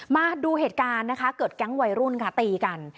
มาดูเหตุการณ์นะคะเกิดแก๊งวัยรุ่นค่ะตีกัน